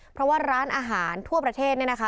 เพราะว่าร้านอาหารทั่วประเทศเนี่ยนะคะ